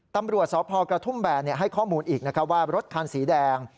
ตำรวจสพกระทุ่มแบนให้ข้อมูลอีกนะครับว่ารถคันสีแดง